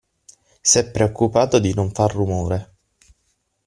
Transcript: S'è preoccupato di non far rumore.